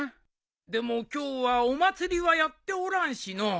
でも今日はお祭りはやっておらんしのう。